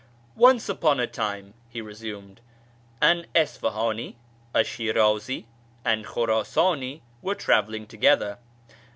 " Once upon a time," he resumed, " an Isfahani, a Shirazi, and Khurasani were travelling together.